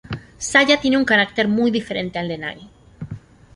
Saya tiene un carácter muy diferente al de Nagi.